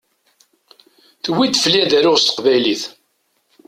Tuwi-d fell-i ad aruɣ s teqbaylit.